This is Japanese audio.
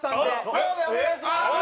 澤部お願いします！